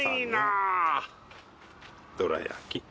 どら焼き